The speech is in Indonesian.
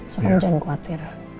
soalnya jangan khawatir